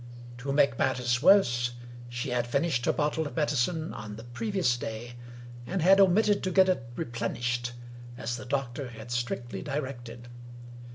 To make matters worse, she had finished her bottle of medicine on the previous day, and had omitted to get it replenished, as the doctor had strictly directed.